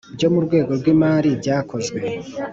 Byo Mu Rwego Rw Imari Byakozwe